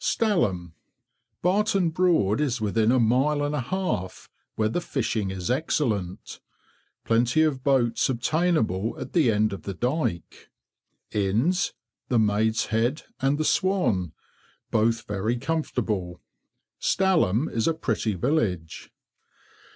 STALHAM. Barton Broad is within a mile and a half, where the fishing is excellent. Plenty of boats obtainable at the end of the dyke. Inns, the "Maid's Head" and the "Swan," both very comfortable. Stalham is a pretty village.